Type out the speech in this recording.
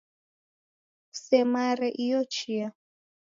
Kusemare iyo chia